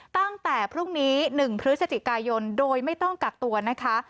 ตั้งแต่พรุ่งนี้๑พฤศจิกายนโดยไม่ต้องกักตัวนะคะ